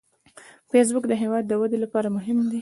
فېسبوک د هیواد د ودې لپاره مهم دی